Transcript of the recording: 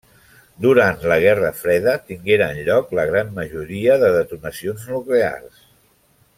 Durant la Guerra Freda tingueren lloc la gran majoria de detonacions nuclears.